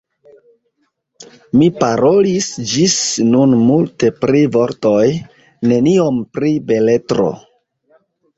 Mi parolis ĝis nun multe pri vortoj, neniom pri beletro.